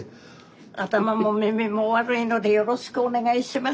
頭も耳も悪いのでよろしくお願いします。